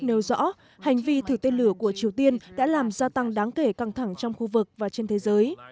nêu rõ hành vi thử tên lửa của triều tiên đã làm gia tăng đáng kể căng thẳng trong khu vực và trên thế giới